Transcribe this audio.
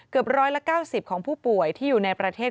๑๙๐ของผู้ป่วยที่อยู่ในประเทศ